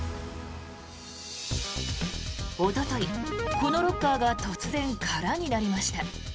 おととい、このロッカーが突然、空になりました。